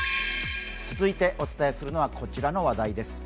続いてお伝えするのはこちらの話題です。